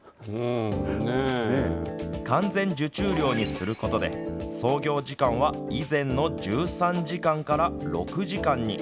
完全受注漁にすることで操業時間は以前の１３時間から６時間に。